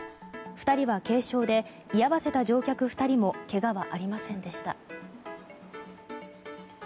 ２人は軽傷で居合わせた乗客２人もけがはありませんでした。